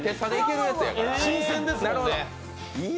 新鮮ですね。